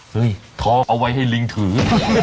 ทองเอาไว้ให้ลิงถือ